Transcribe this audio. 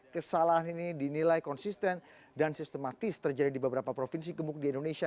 kesalahan ini dinilai konsisten dan sistematis terjadi di beberapa provinsi gemuk di indonesia